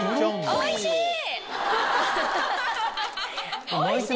おいしい？